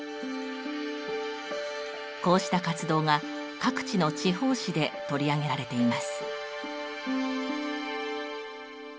こうした活動が各地の地方紙で取り上げられています。